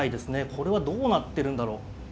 これはどうなってるんだろう。